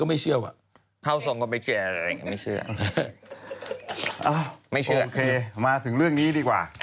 โอเคมาถึงเรื่องนี้ดีกว่า